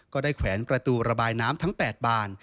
แขวนประตูระบายน้ำทั้ง๘บาน